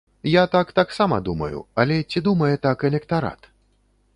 Я так таксама думаю, але ці думае так электарат?